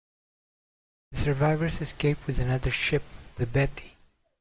The survivors escape with another ship, "The Betty".